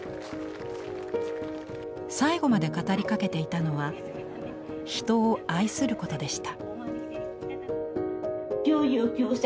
最後まで語りかけていたのは人を愛することでした。